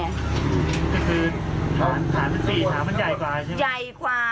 คือสถานที่สี่สถานมันใหญ่กว่าใช่ไหมใหญ่กว่า